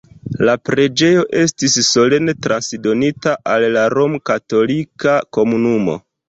La la preĝejo estis solene transdonita al la romkatolika komunumo.